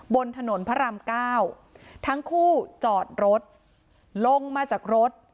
บนถนนพระรามเก้าทั้งคู่จอดรถลงมาจากรถ